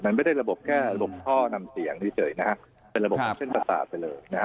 มันไม่ได้ระบบแค่ระบบท่อนำเสียงที่เจออีกนะฮะเป็นระบบประสาทไปเลยนะฮะ